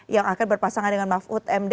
yang akan berpasangan dengan mahfud md